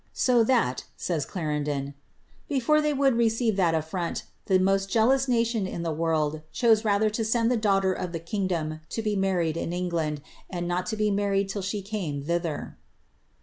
^ So that,'^ says Clarendon, ^^ before they would lat affront, the most jealous nation in the world chose rather to daughter of the kingdom to be married in England, and not to d till she came thither."